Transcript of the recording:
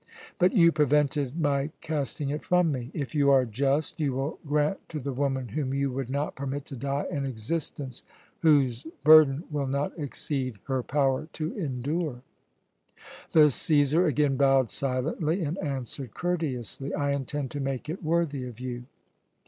But you prevented my casting it from me. If you are just, you will grant to the woman whom you would not permit to die an existence whose burden will not exceed her power to endure." The Cæsar again bowed silently and answered courteously: "I intend to make it worthy of you."